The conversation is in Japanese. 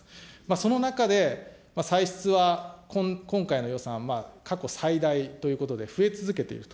その中で、歳出は今回の予算は過去最大ということで、増え続けていると。